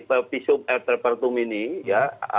pervisum etrepertum ini ya